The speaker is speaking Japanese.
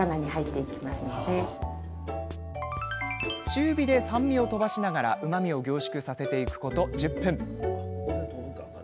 中火で酸味を飛ばしながらうまみを凝縮させていくこと１０分。